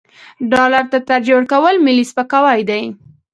ډالر ته ترجیح ورکول ملي سپکاوی دی.